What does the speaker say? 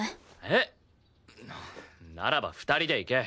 えっ？ならば２人で行け。